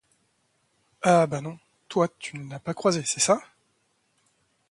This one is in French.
Ah ben non, toi tu ne l’as pas croisée, c’est ça ?